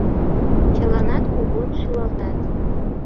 Чыланат кугун шӱлалтат.